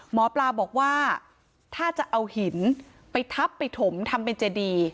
หมอปลาบอกว่าถ้าจะเอาหินไปทับไปถมทำเป็นเจดี